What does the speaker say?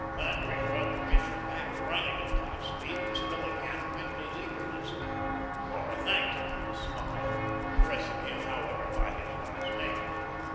Landry brought the pitcher back, running at top speed and spilling half of it in his eagerness. Laura thanked him with a smile, addressing him, however, by his last name.